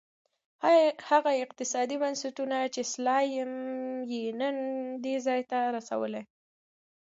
هغه اقتصادي بنسټونه چې سلایم یې نن دې ځای ته رسولی.